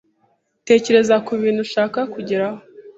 tekereza ku bintu ushaka kugeraho